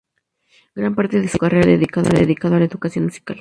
Gran parte de su carrera reciente se ha dedicado a la educación musical.